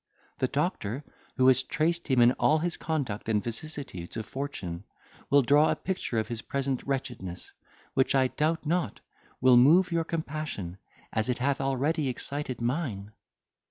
The doctor, who has traced him in all his conduct and vicissitudes of fortune, will draw a picture of his present wretchedness, which, I doubt not, will move your compassion, as it hath already excited mine."